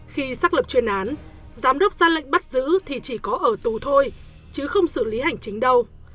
khi xác lập chuyên án giám đốc ra lệnh bắt giữ thì chỉ có ở tù thôi chứ không xử lý hành chính đâu